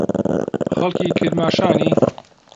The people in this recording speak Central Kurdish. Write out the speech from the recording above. خەڵکی کرماشانی؟